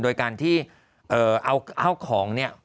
โดยการที่เอาข้าวของเนี่ย